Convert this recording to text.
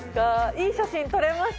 いい写真撮れましたか？